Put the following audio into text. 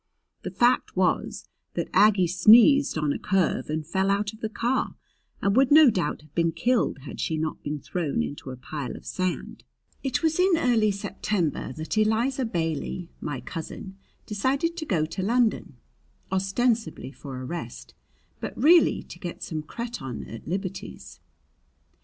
The fact was that Aggie sneezed on a curve and fell out of the car, and would no doubt have been killed had she not been thrown into a pile of sand. It was in early September that Eliza Bailey, my cousin, decided to go to London, ostensibly for a rest, but really to get some cretonne at Liberty's.